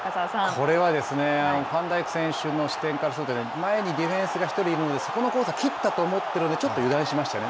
これはファンダイク選手の視点からすると前にディフェンスが１人いるのでそこのコースは切ったと思っているので、ちょっと油断しましたね。